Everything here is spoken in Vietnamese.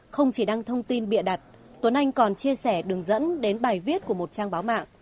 không chỉ đăng thông tin bịa đặt tuấn anh còn chia sẻ đường dẫn đến bài viết của một trang báo mạng